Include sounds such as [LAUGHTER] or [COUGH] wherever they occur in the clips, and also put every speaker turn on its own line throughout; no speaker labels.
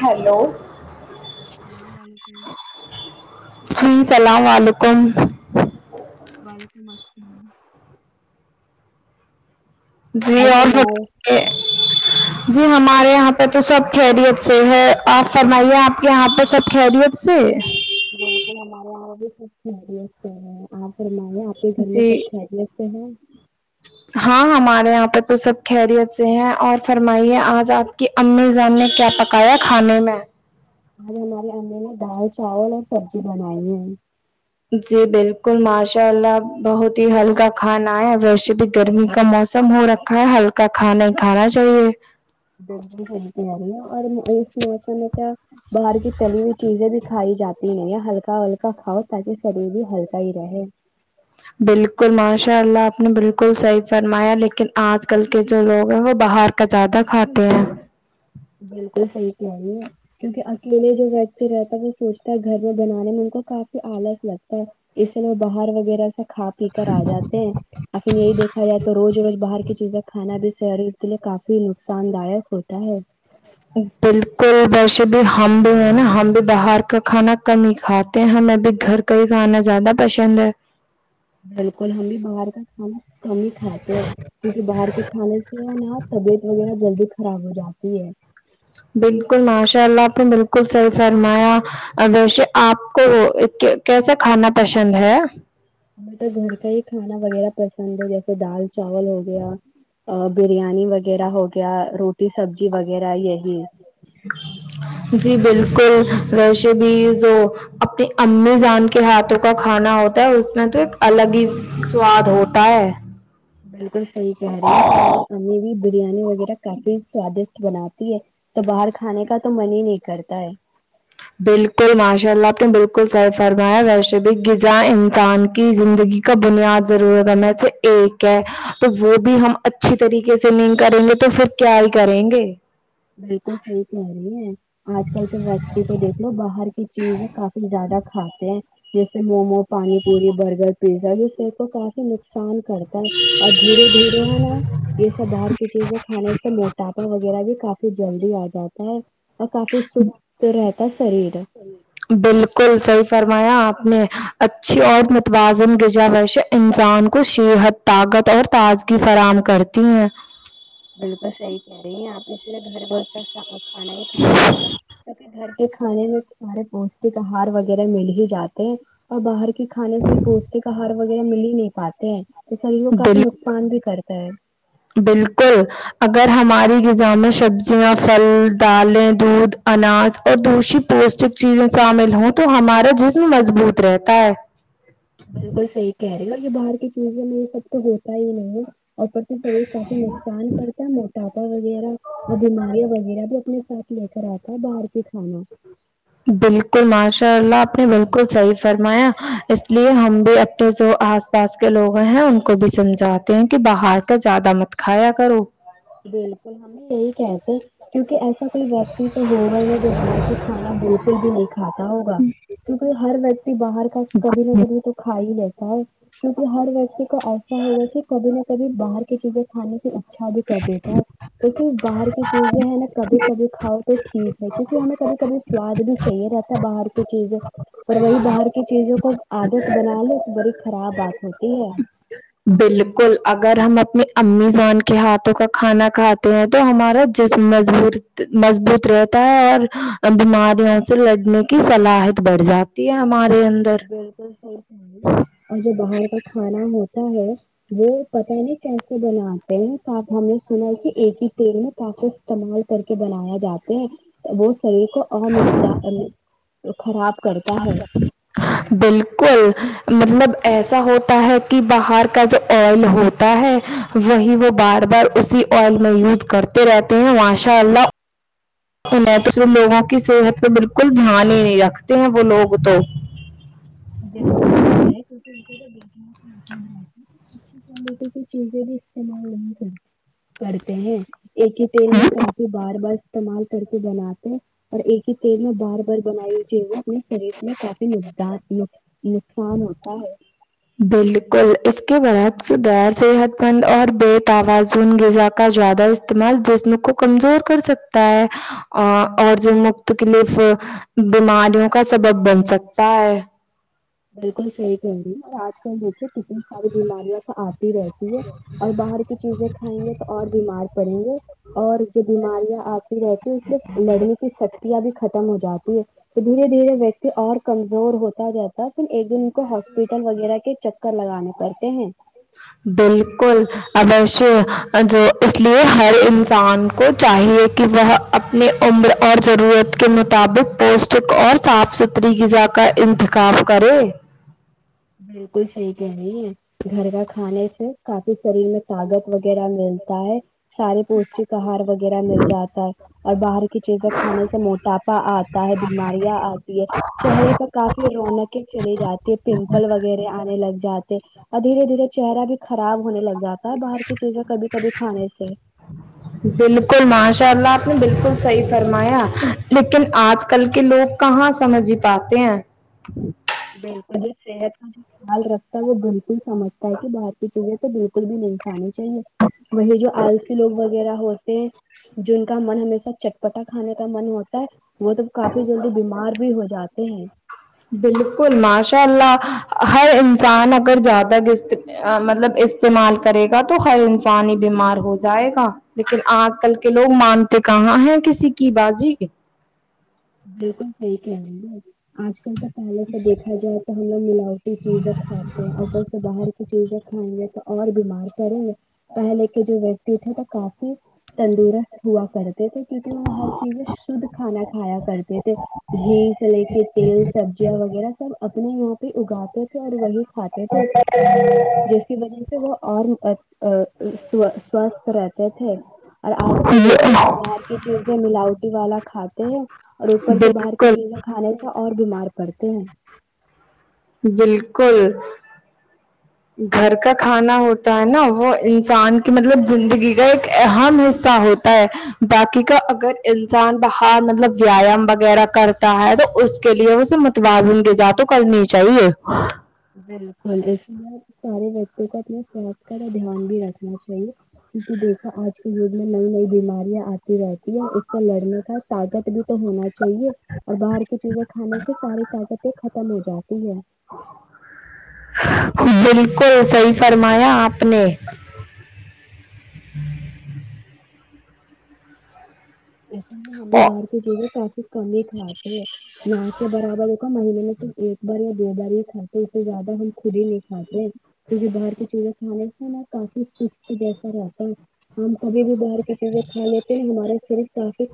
hello
اسلام علیکم
السلام علیکم
وعلیکم السلام
جی
آپ
اور
فرمائے
جی ہمارے یہاں پہ تو سب خیریت سے ہے آپ فرمائیے آپ کے یہاں پہ سب خیریت سے ہے
بالکل ہمارے یہاں وہ بھی سب خریت ہے آپ ہمارے آپ کے گھر میں
جی
سب خریت ہوں
ہاں ہمارے یہاں پہ تو سب خیریت سے ہیں اور فرمائیے آج آپ کہ اممی جان نے کیا پکایا کھانے میں
آج ہماری امی نے دال چاول اور سبزی بنائی ہے
جی بالکل ماشاء اللہ بہت ہی ہلکا کھانا ہے اور ویسے بھی گرمی کا موسم ہو رکھ ہلکا کھا نہیں کھانا چاہیے
گردم ہو جا رہی ہے اور اس موسم میں کیا باہر کی تلی ہوئی چیزیں دکھائی جاتی ہیں ہلکا ہلکا ا کاؤ تاکہ شریر بھی ہلکا ہی رہے
بلکل ماشاء اللہ آپ نے بلکل صحیح فرمایا لیکن آج کل کے جو لوگ ہیں وہ باہر کا زادہ کھاتے ہیں
بلکل صحیح کہےرہی ہیں کیونکہ اکیلے جو ویکتی رہتا ہے وہ سوچتا ہے گھر میں بنانے میں ان کو کافی آلگ لگتا ہے اس لیے وہ باہر وغیرہ سے کھا پی کر آ جاتے ہیں ان یہی دیکھا جائے تو روز روز باہر کی چیزیں کھانا بھی شریر کے لیے کافی نقصان داک ہوتا ہے
بالکل ویش بھی ہم بھی ہے نا ہم بھی باہر کا کھانا کم کھاتے ہیں ہمیں بھی گھر کا ہی کھانا زیادہ پسند ہے
بلکل ہم بھی باہر کا کھانا کم ہی کھاتے ہیں کیوں کی باہر کے کھانے سے نا طبیعت وغیرہ جلدی خراب ہو جاتی ہے
بلکل ماشاء اللہ آپ نے بلکل صحی فرمایا ویسے آپ کو کیسا کھانا پسند ہے
ہمیں تو گھر کا ہی کھانا وغیرہ پسند ہے جیسے دال چاول ہو گیا بریانی وغیرہ ہو گیا روٹی سبزی وغیرہ یہی
جی بلکل ویسے بھی جو اپنی امی جان کے ہاتھوں کا کھانا ہوتا ہے اس میں تو ایک الگ ہی سواد ہوتا ہے
بلکل صحیح کہہ رہی ہماری امی بھی بریانی وغیرہ کافی سوادشٹ بناتی ہے تو باہر کھانے کا تو من ہی نہیں کرتا ہے
بلکل ماشاء اللہ آپ نے بلکل صحی فرمایا ویسے بھی غذا انسان کی زندگی کا بنیاد ضرورتوں میں سے ایک ہے تو وہ بھی ہم اچھی طریقے سے نہیں کریں گے تو پھر کیا ہی کریں گے
بلکل صحیح کہے رہی ہے آج کل کے ویکتی کو دیکھ لو باہر کی چیزیں کافی زیادہ کھاتے ہیں جیسے مومو پانی پوری برگر پیزا بھی صحت کو کافی نقصان کرتا ہے اور دھیرے دھیرے ہے نا یہ سب باہر کی چیزیں کھانے سے موٹاپا وغیرہ بھی کافی فی جلدی آ جاتا ہے اور کافی سست رہتا ہے شریر
بلکل صحیح فرمایا آپ نے اچھی اور متوازن غذا ویشے انسان کو صحت طاقت اور تازگی فراہم کرتی ہیں
بالکل صحیح کہہ رہی ہیں آپ اسے گھر ور کا سادہ کھانا ہی کھانا چاہیے کیوںکہ گھر کھانے میں سارے پوشٹک آہار وغیرہ مل ہی جاتے ہیں اور باہر کے کھانے سے پوشٹک آہار وغیرہ مل ہی نہیں پاتے ہیں تو شریر کو کافی نقصان بھی کرتا ہے
بلکل اگر ہماری غذا میں سبزیاں پھل دالیں دودھ اناج اور دوشی پوشٹک چیزیں شامل ہوں تو ہمارا جسم مضبوط رہتا ہے
بلکل صحیح کہہ رہی ہے یہ باہر کی چیزوں میں یہ سب تو ہوتا ہی نہیں ہے اوپر سے شریر کافی نقصان کرتا ہے ٹاپا وغیرہ اور بیماریاں وغیرہ بھی اپنے ساتھ لے کر آتا ہے باہر کے کھانا
بلکل ماشاء اللہ آپ نے بلکل صحیح فرمایا اس لیے ہم بھی اپنے جو آ پاس کے لوگ ہیں ان کو بھی سمجھاتے ہیں کہ باہر کا زیادہ مت کھایا کرو
بلکل ہم بھی یہی کہتے کیونکہ ایسا کوئی ویکتی تو ہوگا ہی نا جو باہر کی کھانا بلکل بھی نہیں کھاتا ہوگا کیونکہ ہر ویکتی باہر کا کبھی نہ کبھی تو کھا ہی لیتا ہے کیونکہ ہر ویکتی کو ایسا ہوگا کہ کبھی نہ کبھی باہر کی چیزیں کھانے کی اچھا بھی کربے دیتا ہے تو صرف باہر کی چیزے ہے نا کبھی کبھی کاؤ تو ٹھیک ہے کیونکہ ہمیں کبھی کبھی سواد بھی چاہئے رہتا بار چیزیں پر وہی باہر کی چیزوں کو عادت بنا لو تو بڑی خراب بات ہوتی ہے
بلکل اگر ہم اپنی امی زان کے ہاتھوں کا کھانا کھاتے تو ہمارا جسم مضبوط مضبوط رہتا ہے اور بیماریوں سے لڑنے کی صلاحیت بڑھ جاتی ہے ہمارے انرر
بلکل صہی اور جو باہر کا کھانا ہوتا ہے وہ پتا نے کیسے بنا تو آپ ہم نے سنا کہ ایک ہی تیل میں کافی استعمال کر کے بنایا جاتے ہیں وہ شریر کو [UNINTELLIGIBLE] خراب کرتا ہے
بالکل مطلب ایسا ہوتا ہے کہ باہر کا جو آئل ہو تا ہے وہی وہ بار بار اسی آئل میں یوز کرتے رہتے ہیں ماشاء اللہ یں تو صف لوگوں کی صحت پہ بالکل دھیان ہی نہیں رکھتے ہیں وہ لوگ تو
بلکل صحیح کھیرے [UNINTELLIGIBLE] اچھی کوالٹی کی چیزیں بھی استعمال نہیں کر کرتے ہیں ایک ہی تیل میں کافی بار بار استعمال کر کے بناتے اور ایک ہی تیل میں بار بار بنائی ہو چیزہے کو شریر میں کافی مقدار نوق نقصان ہوتا ہے
بالکل اس کے برعکس غیر صحت مند اور بے توازن غذا کا زیادہ استعمال جسم کو کمزور کر سکتا ہے آ اور جو مختکلف بیماریوں کا سبب بن سکتا ہے
بالکل صحیح کہہ رہی اور آج کل فر کتنی ساری بیماریاں سے آتی رہتی ہے اور باہر کی چیزیں کھائیں گے تو اور بیمار پڑیں گے اور جو بیماریاں آپ رہتی مطلب لڑنے کی سک کھولا بھی ختم ہو جاتی ہے تو دھیرے دھیرے ویکتی اور کمزور ہوتا جاتا ہے پھر ایک دن کو ہاسپٹل وغیرہ کے چکر لگانے پڑتے ہیں
بالکل اوشیہ جو اس لیے ہر انسان کو چاہیے کی وہ اپنی عمر اور ضرورت کے مطابق پوسٹ چک اور صاف ستھری غذا کا انتخاب کرے
بالکل صحی کہرہی ہے گھر کا کھانے سے کافی شریر میں طاگت وغیرہ ملتا ہے سارے پوشٹک ہار وغیرہ مل جاتا ہے اور باہر کی چیزیں کھانے سے موٹاپا آتا ہے بیماریاں آتی ہے چہرے پر کافی رونقیں چلی جاتی ہے پنک پل وغیرہ آنے لگ جاتے اور دھیرے دھیرے چہرہ بھی خراب ہونے لگ جا تا ہے باہر کی چیزیں کبھی کبھی کھانے سے
بالکل ماشاء اللہ آپ نے بالکل صحیح فرمایا لیکن آج کل کے لوگ کہاں سمجھ پاتے ہیں
بالکل جی صحت خیال رکھتا ہے وہ بالکل سمجھتا ہے کی باہر کی چیزیں تو بالکل بھی نہیں کھانے چاہے وہی جو آلسی لوگ وغیرہ ہوتے ہیں جن کا من ہمیشہ چٹپٹا کھانے کا من ہوتا ہے وہ تو کافی جلدی بیمار بھی ہو جاتے ہیں
بالکل ماشاء اللہ ہر انسان اگر زیادہ گست مطلب استعمال کرے گا تو ہر انسان ہی بیمار ہو جائے گا لیکن آج کل کے لوگ مانتے کہاں ہیں کسی کی باجی
بالکل صحیح کہہ دہی ہے آج کل تو پہلے سے دیکھا جائے تو ہم لوگ ملاوٹی چیزیں کھاتے ہیں اوپر سے باہر کی چیزیں کھائیں گے تو اور بیمار پڑیں گے پہلے کے جو ویکتی تھے تو کافی تندرست ہوا کرتے تھے کیونکی وہ ہر چیز میں شد کھانا کھایا کرتے تھے گھی سلے کے تیل سبزیاں وغیرہ سب اپنے یہاں پے اگاتے تھے اور وہی کھاتے تھے جس کی وجہ سے وہ اور آ آ سوا سوستھ رہتے تھے اور آج کل دیکھیے سب باہر کی چیزیں ملاوٹی والا کھاتے ہیں اور اوپر سے باہر کی
بالکل
چیزیں کھانے سے اور بیمار پڑتے ہیں
بالکل گھر کا کھانا ہوتا ہے نا وہ انسان کی مطلب زندگی کا ایک اہم حصہ ہو تا ہے باکی کا اگر انسان باہر مطلب ویایام وغیرہ کر تا ہے تو اس کے لیے اسے متوازن غذا تو کرنی چاہیے
بالکل اس لیے سارے بچوں کو اپنے صحت کا دھیان بھی رکھنا چاہیے کیونکی دیکھو آج کے یگ میں نئی نئی بیماریاں آتی رہتی ہے اس سے لڑنے کا طاقت بھی تو ہونا چاہیے اور باہر کی چیزیں کھانے سے ساری طاقتیں ختم ہو جاتی ہے
بالکل صحیح فرمایا آپ نے
ایسے میں ہم بھی
او-
باہر کی چیزیں کافی کم ہی کھاتے ہیں نا کے برابر مہینے میں صرف ایک بار یا دو بار یے کھاتے ہیں اس سے زیادہ ہو خود ہی نہیں کھاتے کیونکی باہر کی چیزیں کھانے سے نا کافی سست جیسا رہتا ہے ہم کبھی بھی باہر کی چیزیں کھا لیتے ہمارے شریر کافی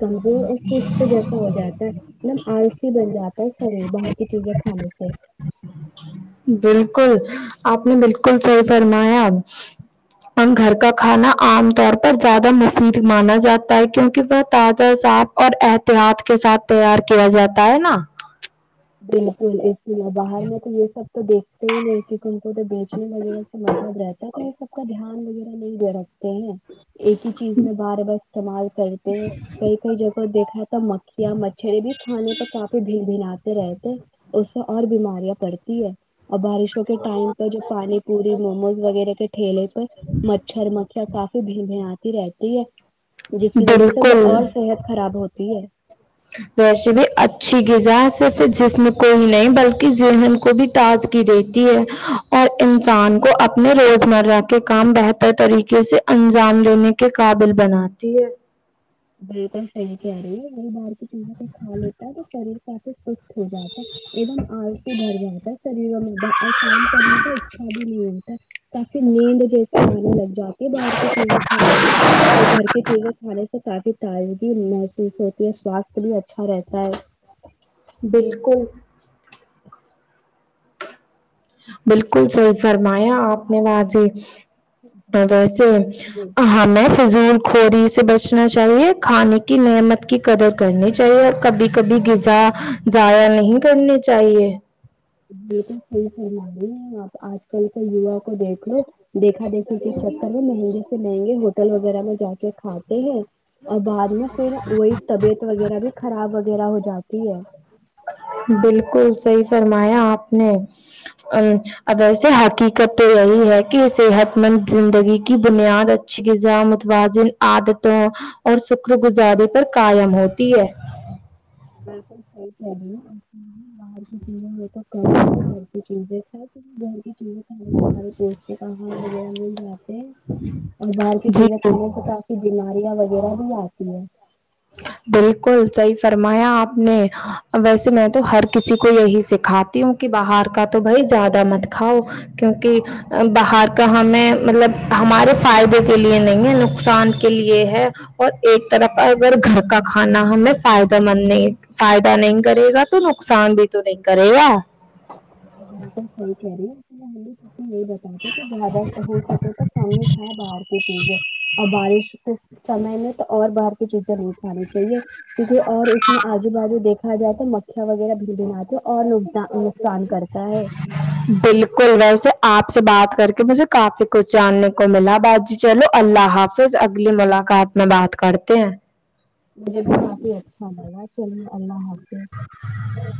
کمزور اور سست جیسا ہو جاتا ہے نم آلسی بن جاتا ہے شریر باہر کی چیزیں کھانے سے
بالکل آپ نے بالکل صحیح فرمایا ہم گھر کا کھانا عام طور پر زیادہ مفید مانا جاتا ہے کیونکی وہ تازہ صاف اور احتیاط کے ساتھ تیار کیا جاتا ہے نا
بالکل اسی لیے باہر میں تو یہ سب تو دیکھتے ہی نہیں کے ان کو تو بیچینے وغیرہ سے مطلب رہتا ہے تو یہ سب کا دھیان وغیرہ نہیں دے رہا صحیح ہے ایک ہی چیز میں بار بار استعمال کرتے ہیں کئی کئی جگہ دیکھا تھا مکھیاں مچھر بھی کھانے پہ کافی بھی بھین آتی رہےتے اس سے اور بیماریاں پڑتی ہے اور بارشوں کے ٹائم پر جو پانی پوری موموز وغیرہ کے ٹھیلے پر مچھر مکھیا کافی بھین بھینا آتی رہتی ہے جس کی وجہ سے وہ
بالکل
اور صحت خراب ہوتی ہے
ویسے بھی اچھی غذا صرف جسم کوئی نہیں بلکہ ذہن کو بھی تازگی دیتی ہے اور انسان کو اپنے روزمرہ کے کام بہتر طریقے سے انجام لینے کے قابل بناتی ہے
بالکل صحیح کہہ رہی ہے نئی باہار کی چیزیں کھ کھا لیتا ہے تو شریر کافی سست ہو جاتا ایک دم السی بھر جاتا ہے شریروں میں اور کام کرنے کا ایکشا بھی نہیں ہوتا تاکہ نیند جیسی آنے لگ جاتی باہر کی چیزیں کھانے سے اور گھر کی چیزیں کھانے سے کافی تازگی محسوس ہوتی ہے سواستھ بھی اچھا رہتا ہے
بالکل بالکل صحیح فرمایا آپ نے واضی ویسے
ہے
ہ میںی فضول کوری سے بچنا چاہیے کھانے کی نعمت کی قدر کرنی چاہیے اور کبھی کبھی ضائع نہیں کرنی چاہیے
یہ تو صحیح فرمانی آپ آج کل کے یوا کو دیکھ لو دیکھا دیکھی کے چکر میں مہنگے سے مہنگے ہوٹل وغیرہ میں جا کے کھاتے ہیں اور بعد میں پھر وہی طبیعت وغیرہ بھی خراب وغیرہ ہو جاتی ہے
بالکل صحیح فرمایا آپ نے ا اگر سے حقیقت تو یہی ہے کہ صحت مند زندگی کی بنیاد ا اچھی غذا متوازن عادتوں اور شکر گزاریے پر قائم ہوتی ہے
بالکل صحیح چلیے باہر کی چیزیں تو کم کھے گھر کی چیزیں گھر ہی سارے سارے [UNINTELLIGIBLE] وغیرہ مل جاتے ہیں اور باہر کی چیزیں
جی
کھانے سے کافی بیماریاں وغیرہ بھی آتی ہیں
بالکل صحیح فرمایا آپ نے ویسے میں تو ہر کسی کو یہی سکھا تی ہوں کہ باہر کا تو بائی زیادہ مت کھاؤ کیونکہ باہر کا ہمیں مطلب ہمارے فائدے کے لیے نہیں ہے نقصان کے لیے ہے اور ایک طرف اگر گھر کا کھانا ہمیں فائدہ مند نہیں فائدہ نہیں کرے گا تو نقصان بھی تو نہیں کرے گا
بالکل صحیح کہ رہی ہے یہ نہیں بتاتے کہ زیادہ ہو سکے تو کم ہی کھائے باہر کی چیزیں اور بارش اسمے میں تو اور باہر کی چیزیں نہیں کھانی چاہیے کیونکہ اور اس نے آجو بازو دیکھ کھا جاتا مچھا وغیرہ بھی دناتے اور نقصان کرتا ہے
بالکل ویسے آپ سے بات کر کے مجھے کافی کچھ جاننے کو ملا بات جی چلو اللہ حافظ اگلی ملاقات میں بات کرتے ہیں
مجھے بھی کافی اچھا لگا چلے اللہ حافظ